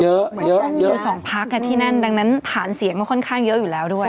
เยอะเยอะสองพักที่นั่นดังนั้นฐานเสียงก็ค่อนข้างเยอะอยู่แล้วด้วย